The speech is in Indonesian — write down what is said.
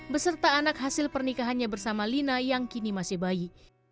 beserta anak hasil pernikahannya bersama lina yang kini masih bayi